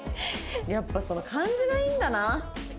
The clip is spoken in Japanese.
やっぱ感じがいいんだな。